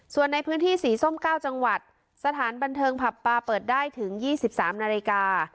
ส่วนในพื้นที่สีส้ม๙จังหวัดสถานบันเทิงผับปลาเปิดได้ถึง๒๓นาฬิกา